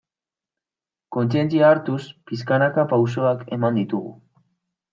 Kontzientzia hartuz, pixkanaka pausoak eman ditugu.